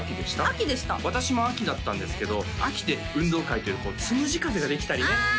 秋でした私も秋だったんですけど秋で運動会というとつむじ風ができたりねああ